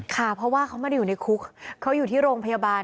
ค่ะเพราะว่าเขาไม่ได้อยู่ในคุกเขาอยู่ที่โรงพยาบาล